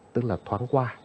tức là thoáng qua